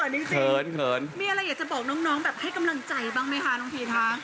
มีอะไรอยากจะบอกน้องให้กำลังใจบางไหมคะพีชคะ